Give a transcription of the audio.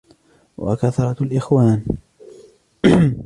وَكَثْرَةُ الْإِخْوَانِ